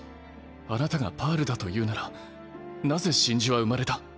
あなたがパールだというならなぜ真珠は生まれた？